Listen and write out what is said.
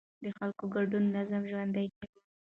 د خلکو ګډون نظام ژوندی کوي